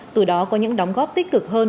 từ đó có những đóng góp tích cực hơn